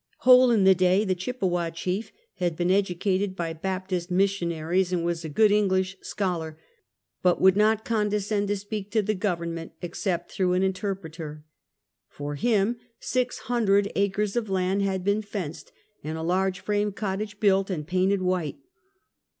Hole in the day, the Chippewa chief, had been edu dated by Baptist missionaries, and was a good English scholar, but would not condescend to speak to the gov ernment except through an interpreter. For him six hundred acres of land had been fenced, and a large frame cottage built and painted white.